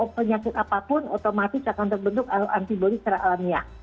penyakit apapun otomatis akan terbentuk antibody secara alamiah